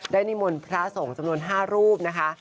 นิมนต์พระสงฆ์จำนวน๕รูปนะคะ